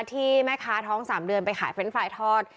ที่แม่ค้าท้อง๓เดือนไปขายเฟรนด์ไฟล์ทอด